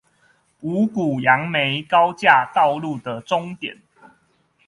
五股楊梅高架道路的終點